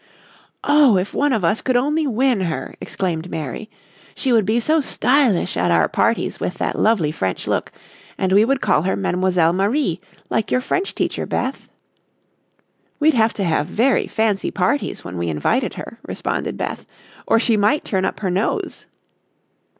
"Oh, if one of us could only win her!" exclaimed Mary, "she would be so stylish at our parties with that lovely French look, and we would call her Mlle. Marie, like your French teacher, Beth." "We'd have to have very fancy parties when we invited her," responded Beth, "or she might turn up her nose."